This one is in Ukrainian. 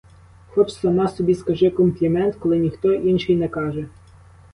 Хоч сама собі скажи комплімент, коли ніхто інший не каже.